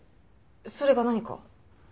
それが何か？